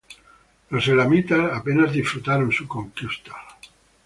Los "elamitas" apenas disfrutaron su conquista.